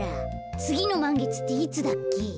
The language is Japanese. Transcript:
つぎのまんげつっていつだっけ？